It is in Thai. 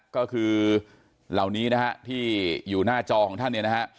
ก็คือเหล่านี้นะฮะที่อยู่หน้าจอของท่านเนี่ยนะฮะ